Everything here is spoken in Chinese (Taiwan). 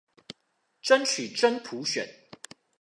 爭取真普選